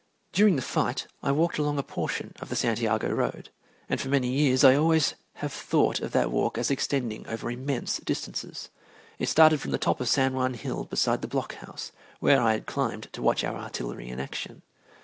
During the fight I walked along a portion of the Santiago road, and for many years I always have thought of that walk as extending over immense distances. It started from the top of San Juan Hill beside the block house, where I had climbed to watch our artillery in action.